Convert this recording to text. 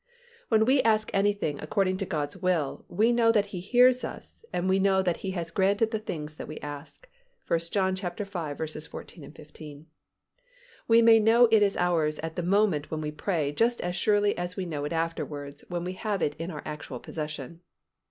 When we ask anything according to God's will, we know that He hears us and we know that He has granted the things that we ask (1 John v. 14, 15). We may know it is ours at the moment when we pray just as surely as we know it afterwards when we have it in our actual possession.